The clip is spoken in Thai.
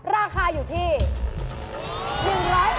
ราคาอยู่ที่๑๐๐บาท